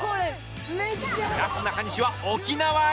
なすなかにしは沖縄へ。